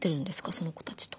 その子たちと。